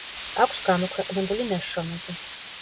აქვს გამოქვეყნებული ნაშრომები.